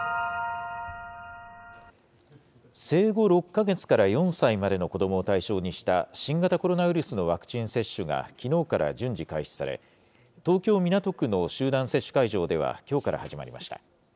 生後６か月から４歳までの子どもを対象にした新型コロナウイルスのワクチン接種がきのうから順次開始され、東京・港区の集団接種会場ではきょうから始まりました。